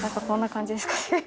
こんな感じですかね。